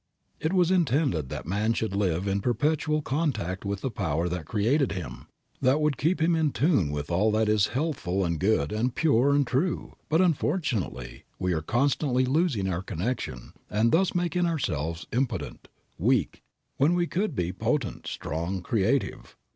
It was intended that man should live in perpetual contact with the Power that created him, that would keep him in tune with all that is healthful and good and pure and true, but, unfortunately, we are constantly losing our connection and thus making ourselves impotent, weak, when we might be potent, strong, creative.